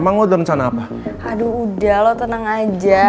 aduh udah lo teneng aja